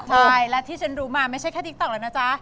ใช่และที่ฉันรู้มาไม่ใช่แค่ติ๊กต๊อกแล้วนะจ๊ะ